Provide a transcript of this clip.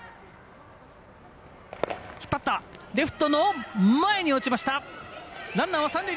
レフトの前に落ちました。